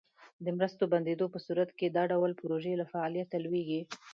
د مرستو بندیدو په صورت کې دا ډول پروژې له فعالیته لویږي.